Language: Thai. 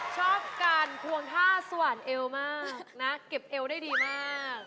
ชอบกันพวงท่าสศวรรณเอกห์มากนะเก็ปเอกห์ได้ดีมาก